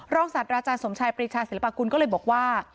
รองศาสตร์ราชาสมชัยปริชาศิลปะกุลก็เลยบอกว่า